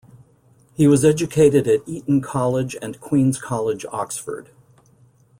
He was educated at Eton College and Queen's College, Oxford.